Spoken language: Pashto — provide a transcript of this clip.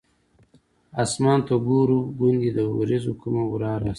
اسمان ته ګورو ګوندې د ورېځو کومه ورا راشي.